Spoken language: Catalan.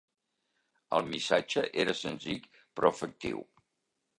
El missatge era senzill però efectiu.